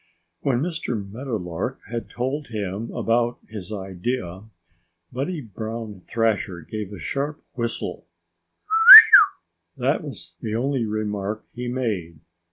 When Mr. Meadowlark had told him about his idea Buddy Brown Thrasher gave a sharp whistle, "Wheeu!" That was the only remark he made.